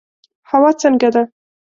هوا څنګه ده؟